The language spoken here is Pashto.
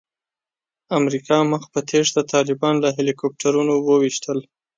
امریکا مخ په تېښته طالبان له هیلي کوپټرونو وویشتل.